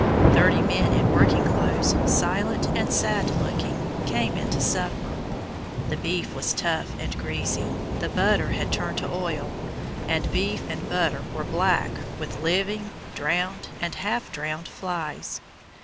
Thirty men in working clothes, silent and sad looking, came in to supper. The beef was tough and greasy, the butter had turned to oil, and beef and butter were black with living, drowned, and half drowned flies.